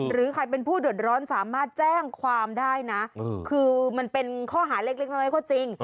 หรือใครเป็นผู้เดือดร้อนสามารถแจ้งความได้นะคือมันเป็นข้อหาเล็กน้อยก็จริง